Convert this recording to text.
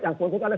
yang penting ada